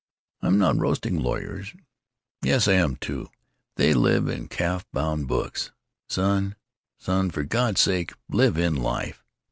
I'm not roasting lawyers——Yes, I am, too. They live in calf bound books. Son, son, for God's sake live in life."